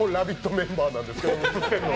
メンバーなんですけど。